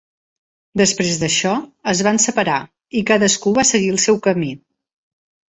Després d'això es van separar i cadascú va seguir el seu camí.